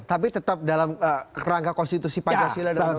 tapi tetap dalam rangka konstitusi pancasila